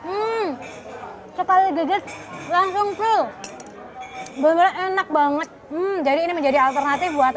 ini sekali deget langsung full bener bener enak banget jadi ini menjadi alternatif buat